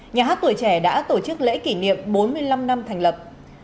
nhà hát tuổi trẻ đã tổ chức lễ kỷ niệm bốn mươi năm năm thành lập